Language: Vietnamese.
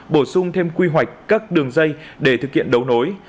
bổ sung thêm quy hoạch các đường dây để thực hiện đấu nối